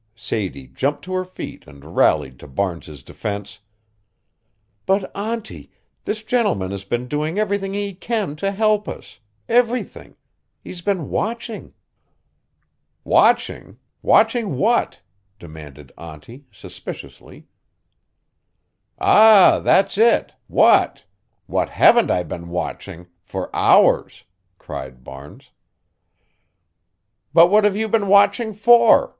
Sadie jumped to her feet and rallied to Barnes's defense: "But, auntie, this gentleman has been doing everything he can to help us everything. He's been watching." "Watching? Watching what?" demanded auntie, suspiciously. "Ah, that's it! What? What haven't I been watching for hours?" cried Barnes. "But what have you been watching for?"